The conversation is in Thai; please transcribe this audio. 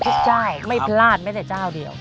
อื้อวคุกจ้ายไม่พลาดไม่แต่เจ้าเดียว